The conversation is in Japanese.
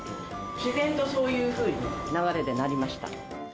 自然とそういうふうにね、流れでなりました。